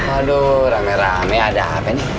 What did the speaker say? aduh rame rame ada apa ini